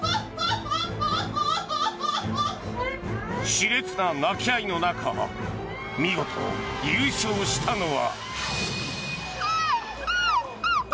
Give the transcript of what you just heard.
熾烈な鳴き合いの中見事、優勝したのは。